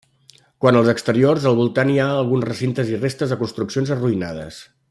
Quant als exteriors, al voltant hi ha alguns recintes i restes de construccions arruïnades.